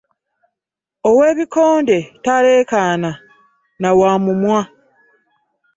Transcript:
Ow'ebikonde taleekaana n'awamummwa.